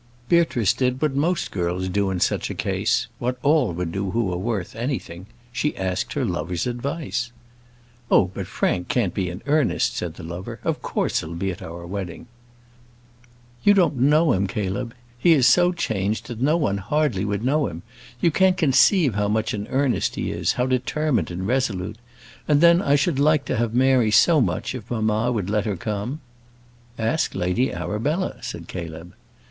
Beatrice did what most girls do in such a case; what all would do who are worth anything; she asked her lover's advice. "Oh! but Frank can't be in earnest," said the lover. "Of course he'll be at our wedding." "You don't know him, Caleb. He is so changed that no one hardly would know him. You can't conceive how much in earnest he is, how determined and resolute. And then, I should like to have Mary so much if mamma would let her come." "Ask Lady Arabella," said Caleb.